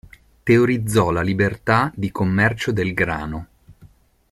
Teorizzò la liberta di commercio del grano.